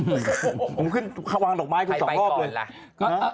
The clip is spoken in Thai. อุ๊ยผมขึ้นวางหลอกไม้อยู่สองรอบเลย